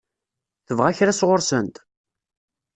Tebɣa kra sɣur-sent?